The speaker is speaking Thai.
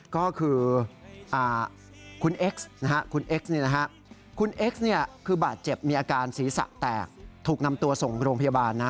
ก็คือคุณเอ็กซ์คุณเอ็กซ์คุณเอ็กซ์คือบาดเจ็บมีอาการศีรษะแตกถูกนำตัวส่งโรงพยาบาลนะ